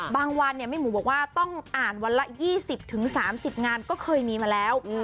วันแม่หมูบอกว่าต้องอ่านวันละ๒๐๓๐งานก็เคยมีมาแล้ว